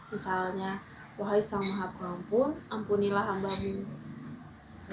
misalnya wahai sang maha puampun ampunilah hamba'u